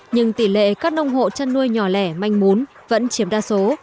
nhưng tỷ lệ các nông hộ chăn nuôi nhỏ lẻ manh mún vẫn chiếm đa số